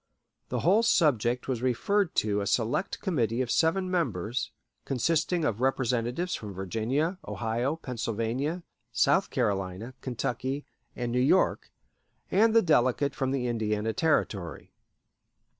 The whole subject was referred to a select committee of seven members, consisting of representatives from Virginia, Ohio, Pennsylvania, South Carolina, Kentucky, and New York, and the delegate from the Indiana Territory.